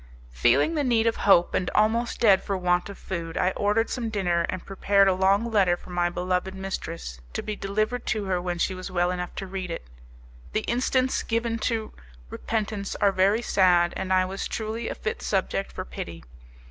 Feeling the need of hope, and almost dead for want of food, I ordered some dinner, and prepared a long letter for my beloved mistress, to be delivered to her when she was well enough to read it. The instants given to repentance are very sad, and I was truly a fit subject for pity.